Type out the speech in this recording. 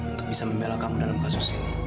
untuk bisa membela kamu dan aku